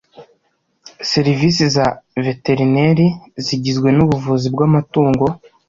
serivisi za veterineri zigizwe n ubuvuzi bw amatungo